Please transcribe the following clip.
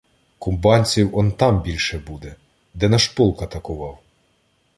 Кубанців он там більше буде, де наш полк атакував.